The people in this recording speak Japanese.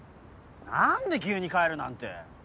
何で急に帰るなんて。